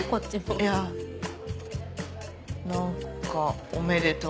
いや何かおめでとう。